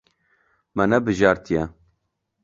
Me nebijartiye.